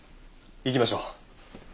行きましょう。